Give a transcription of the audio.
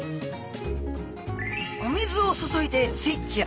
お水を注いでスイッチオン！